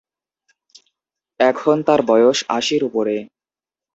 এখন তার বয়স আশির উপরে।